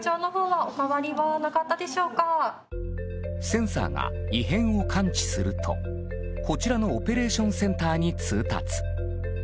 センサーが異変を感知するとこちらのオペレーションセンターに通達。